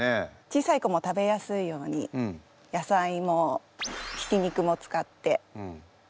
小さい子も食べやすいように野菜もひき肉も使ってこまかくして。